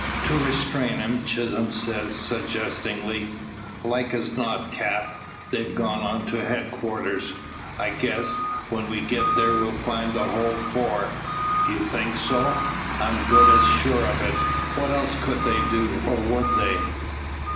To restrain him, Chisholm says, suggestingly, "Like as not, Cap', they're gone on to head quarters. I guess, when we get there we'll find the whole four." "You think so?" "I'm good as sure of it. What else could they do, or would they?